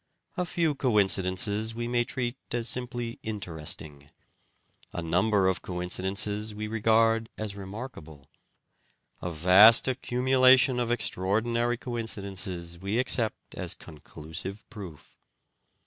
A few coincidences we may treat as simply interesting ; a number of coincidences we regard as remarkable ; a vast accumulation of extraordinary coincidences we accept as conclusive proof.